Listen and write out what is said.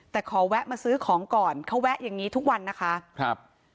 แต่ขอแวะมาซื้อของก่อนเขาแวะอย่างงี้ทุกวันนะคะครับ